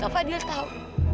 kak fadil tahu